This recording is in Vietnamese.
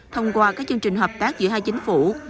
thông qua các chương trình hợp tác giữa hai chính phủ